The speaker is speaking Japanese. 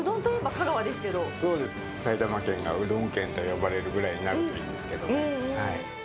そうですね、埼玉県がうどん県と呼ばれるぐらいになるといいんですけどね。